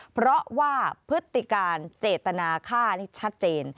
เพราะว่าพฤติการเจตนาฆ่านี่ชัดเจน